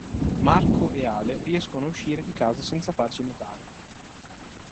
Marco e Ale riescono a uscire di casa senza farsi notare.